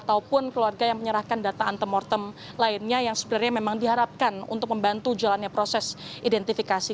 ataupun keluarga yang menyerahkan data antemortem lainnya yang sebenarnya memang diharapkan untuk membantu jalannya proses identifikasi